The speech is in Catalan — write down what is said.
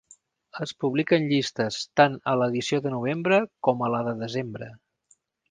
Es publiquen llistes tant a l'edició de novembre com a la de desembre.